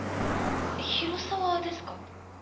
広沢ですか？